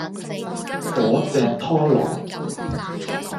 火炙托羅